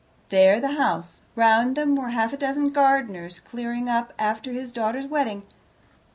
There the house. Round them were half a dozen gardeners, clearing up after his daughter's wedding.